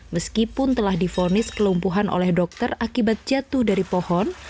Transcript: meskipun telah difonis kelumpuhan oleh dokter akibat jatuh dari pohon